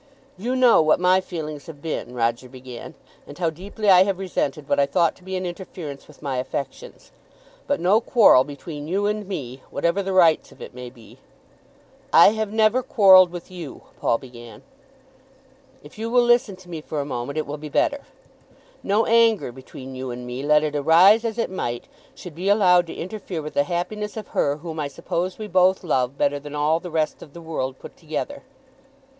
"You know what my feelings have been," Roger began, "and how deeply I have resented what I thought to be an interference with my affections. But no quarrel between you and me, whatever the rights of it may be " "I have never quarrelled with you," Paul began. "If you will listen to me for a moment it will be better. No anger between you and me, let it arise as it might, should be allowed to interfere with the happiness of her whom I suppose we both love better than all the rest of the world put together."